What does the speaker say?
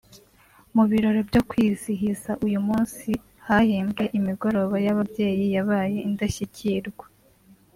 Mu birori byo kwizihiza uyu munsi hahembwe imigoroba y’ababyeyi yabaye indashyikirwa